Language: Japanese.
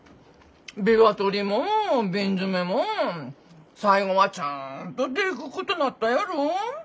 ビワ取りも瓶詰めも最後はちゃんとでくっことなったやろ。